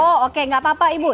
oh oke gak apa apa ibu